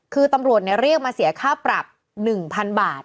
คือตำรวจเรียกมาเสียค่าปรับ๑๐๐๐บาท